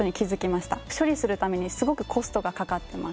処理するためにすごくコストがかかっています。